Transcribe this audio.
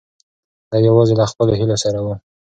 دی یوازې له خپلو هیلو سره و.